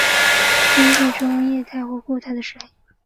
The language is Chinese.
空气中液态或固态的水不算在湿度中。